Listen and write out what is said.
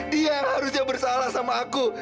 dia harusnya bersalah sama aku